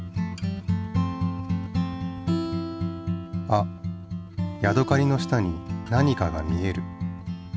あっヤドカリの下に何かが見える。